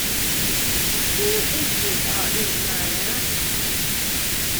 Two beaches are in Minot.